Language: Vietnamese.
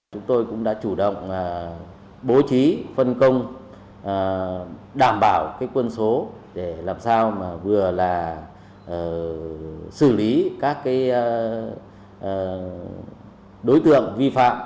chúng tôi cũng đã chủ động bố trí phân công đảm bảo quân số để làm sao mà vừa là xử lý các đối tượng vi phạm